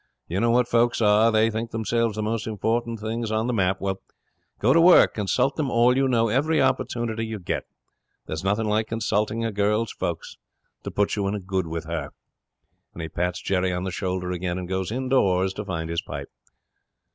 You know what folks are: they think themselves the most important things on the map. Well, go to work. Consult them all you know. Every opportunity you get. There's nothing like consulting a girl's folks to put you in good with her." And he pats Jerry on the shoulder again and goes indoors to find his pipe.